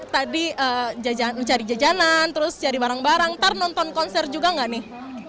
jadi cari jajanan terus cari barang barang ntar nonton konser juga gak nih